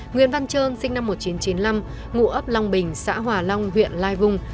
nguyễn văn trơn sinh năm một nghìn chín trăm chín mươi năm ngụ ấp long bình xã hòa long huyện lai vung